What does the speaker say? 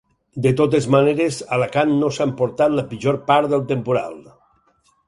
De totes maneres, Alacant no s’ha emportat la pitjor part del temporal.